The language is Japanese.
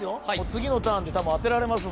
次のターンで多分当てられます